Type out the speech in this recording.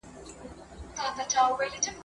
هغه د عشق او ميني